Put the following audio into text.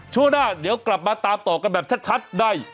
ช่วงหน้าเดี๋ยวกลับมาตามต่อกันแบบชัดใน